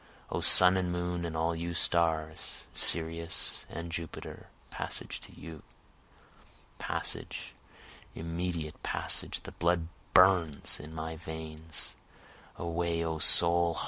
O sun and moon and all you stars! Sirius and Jupiter! Passage to you! Passage, immediate passage! the blood burns in my veins! Away O soul!